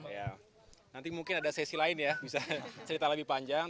ya nanti mungkin ada sesi lain ya bisa cerita lebih panjang